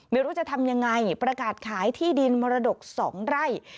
ไม่รู้จะทำยังไงประกาศขายที่ดินมรดก๒ไร่